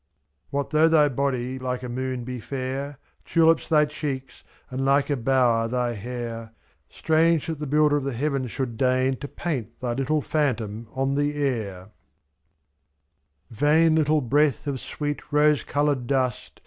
What though thy body like a moon be fair. Tulips thy cheeks, and like a bower thy hair, — u*l,Strange that the builder of the heavens should deigi To paint thy little phantom on the air I Vain little breath of sweet rose coloured dust.